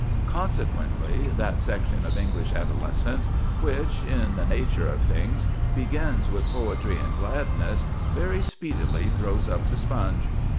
Consequently that section of English adolescence which, in the nature of things, begins with poetry and gladness very speedily throws up the sponge.